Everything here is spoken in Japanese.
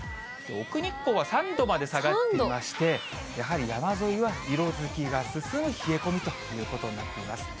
奥日光は３度まで下がっていまして、やはり山沿いは色づきが進む冷え込みということになっています。